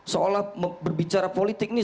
seolah berbicara politik ini